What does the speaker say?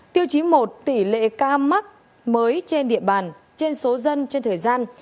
tiêu chí một tỷ lệ ca mắc mới trên địa bàn trên số dân trên thời gian